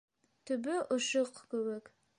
Төбө ышыҡ кеүек.